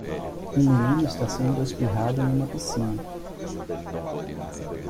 Um menino está sendo espirrado em uma piscina